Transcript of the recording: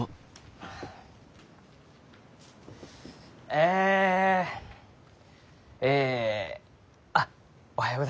ええあっおはようございます。